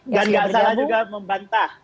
gak salah juga membantah